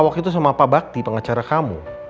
waktu itu sama pak bakti pengacara kamu